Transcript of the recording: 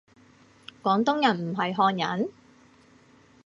廣東人唔係漢人？